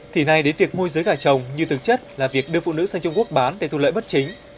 thì nay đến việc môi giới gà chồng như thực chất là việc đưa phụ nữ sang trung quốc bán để thu lợi bất chính